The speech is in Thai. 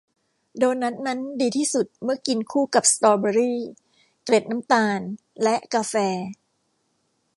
โดนัทนั้นดีที่สุดเมื่อกินคู่กับสตรอเบอร์รี่ เกล็ดน้ำตาล และกาแฟ